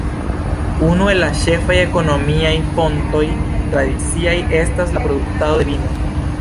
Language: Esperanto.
Unu el la ĉefaj ekonomiaj fontoj tradiciaj estas la produktado de vino.